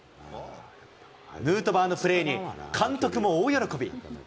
ヌートバーのプレーに、監督も大喜び。